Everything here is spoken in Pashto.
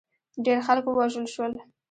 ډېر خلک ووژل شول.